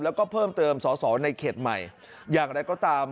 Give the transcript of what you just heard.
แล้วก็เพิ่มเติมสอสอในเขตใหม่อย่างไรก็ตาม